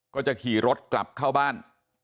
ก็จะขี่รถกลับเข้าบ้าน